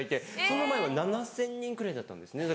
その前は７０００人くらいだったんですね。